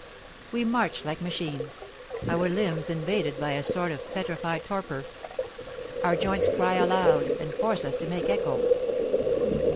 We march like machines, our limbs invaded by a sort of petrified torpor; our joints cry aloud, and force us to make echo.